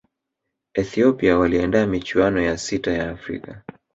ethiopia waliandaa michuano ya sita ya afrika